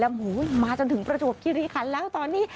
โอ้โหมาจนถึงประจวบคิริคันแล้วตอนนี้